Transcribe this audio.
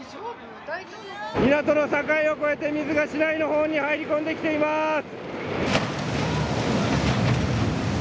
港の境を越えて水が市内の方に入り込んできています！